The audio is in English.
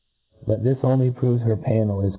But this only proves her pannel is?